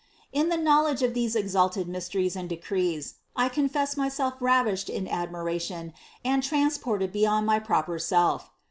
43. In the knowledge of these exalted mysteries and decrees, I confess myself ravished in admiration and transported beyond my proper self.